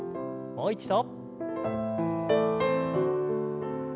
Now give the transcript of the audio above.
もう一度。